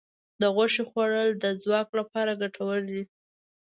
د غوښې خوړل د ځواک لپاره ګټور دي.